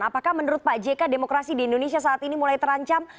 apakah menurut pak jk demokrasi di indonesia saat ini mulai terancam